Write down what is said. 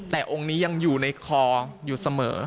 แต่องค์นี้ยังอยู่ในคออยู่เสมอ